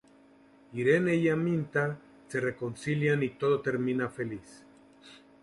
Irene y Aminta se reconcilian y todo termina feliz.